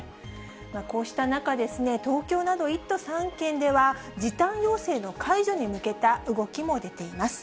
こうした中ですね、東京など１都３県では、時短要請の解除に向けた動きも出ています。